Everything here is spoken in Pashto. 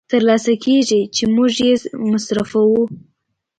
تر لاسه کېږي چې موږ یې مصرفوو